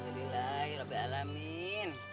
alhamdulillah ya allah bialamin